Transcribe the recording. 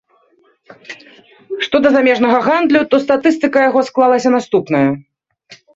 Што да замежнага гандлю, то статыстыка яго склалася наступная.